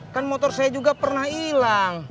kan motor saya juga pernah hilang